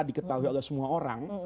diketahui oleh semua orang